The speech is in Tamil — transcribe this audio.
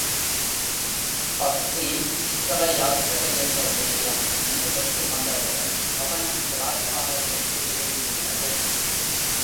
பக்தி, ஸ்தலயாத்திரை என்ற விஷயம் நினைவுக்கு வந்தவுடன் கவனம் பிளாட்பாரத்துக்குத் திரும்பிவிட்டது.